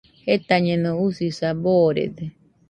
Jetañeno, usisa boorede.